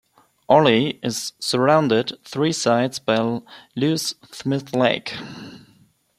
Arley is surrounded on three sides by Lewis Smith Lake.